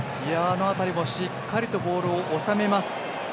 あの辺りもしっかりとボールを収めます。